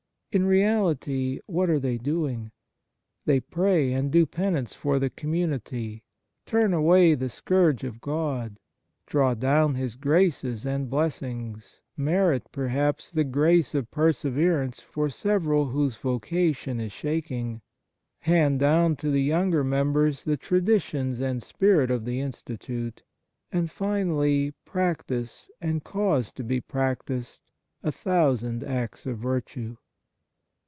In reality what are they doing ? They pray and do penance for the com munity, turn away the scourge of God, draw down His graces and blessings, merit, perhaps, the grace of perseverance for several whose vocation is shaking, hand down to the younger members the traditions and spirit of the institute, and finally practise, and cause to be practised, a thousand acts of virtue.